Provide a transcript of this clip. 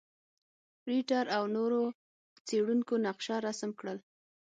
فرېټر او نورو څېړونکو نقشه رسم کړل.